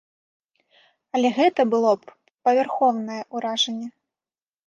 Але гэта было б павярхоўнае ўражанне.